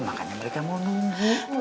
makanya mereka mau nunggu